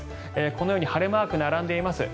このように晴れマークが並んでいます。